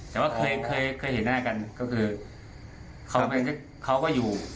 แต่ว่าเคยเคยเห็นหน้ากันก็คือเขาก็อยู่